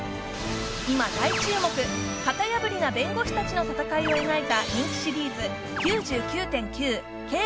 今大注目型破りな弁護士達の戦いを描いた人気シリーズ